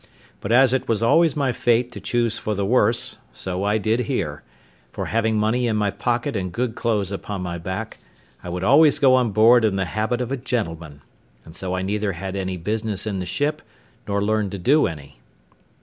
But as it was always my fate to choose for the worse, so I did here; for having money in my pocket and good clothes upon my back, I would always go on board in the habit of a gentleman; and so I neither had any business in the ship, nor learned to do any.